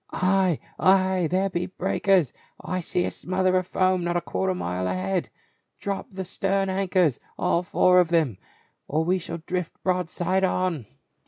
"Ay, ay, there be breakers! I see a smother of foam not a quarter of a mile ahead. Drop the stem ON THE WAY TO ROME. 435 anchors — all four of them — or we shall drift broadside on